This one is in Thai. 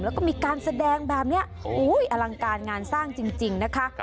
แล้วก็มีการแสดงแบบนี้อลังการงานสร้างจริงนะคะ